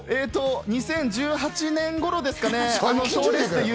２０１８年ごろからですね。